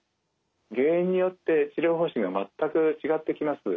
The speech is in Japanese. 原因によって治療方針が全く違ってきます。